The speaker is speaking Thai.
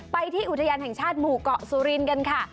ไปที่อุทยานแห่งชาติหมู่เกาะสุรินทร์กันค่ะ